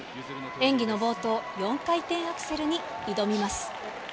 演技の冒頭、４回転アクセルに挑みます。